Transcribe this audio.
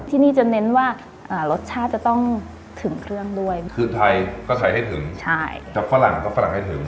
ที่นี่จะเน้นว่ารสชาติจะต้องถึงเครื่องด้วยคือไทยก็ใช้ให้ถึงกับฝรั่งก็ฝรั่งให้ถึง